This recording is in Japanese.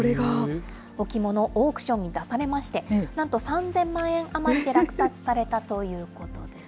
置物、オークションに出されまして、なんと３０００万円余りで落札されたということです。